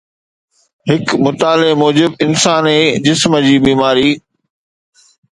هڪ مطالعي موجب، انساني جسم جي بيماري